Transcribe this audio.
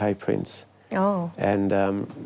ของพระเจ้า